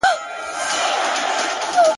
• سرکاره دا ځوانان توپک نه غواړي؛ زغري غواړي ـ